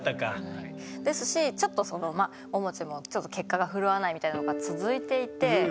ですしちょっとそのまあももちもちょっと結果が振るわないみたいなのが続いていて。